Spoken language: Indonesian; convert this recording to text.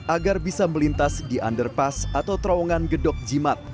agar bisa melintas di underpass atau terowongan gedok jimat